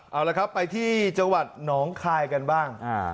เอาละครับไปที่จังหวัดหนองคายกันบ้าง